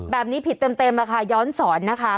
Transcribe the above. แบบนี้ผิดเต็มค่ะย้อนสอนนะคะ